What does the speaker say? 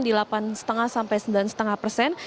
di delapan lima sampai sembilan lima persen